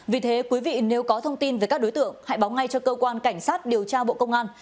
vì thế quý vị nếu có thông tin về các đối tượng hãy báo ngay cho cơ quan cảnh sát điều tra bộ công an